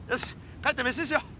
帰ってめしにしよう。